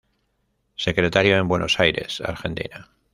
Secretario en Buenos Aires Argentina.